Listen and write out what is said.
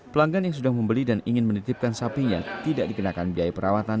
pelanggan yang sudah membeli dan ingin menitipkan sapinya tidak dikenakan biaya perawatan